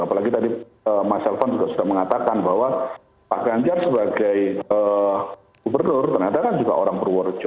apalagi tadi mas elvan juga sudah mengatakan bahwa pak ganjar sebagai gubernur ternyata kan juga orang purworejo